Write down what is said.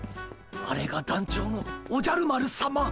あれが団長のおじゃる丸さま。